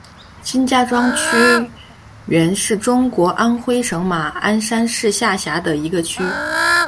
金家庄区原是中国安徽省马鞍山市下辖的一个区。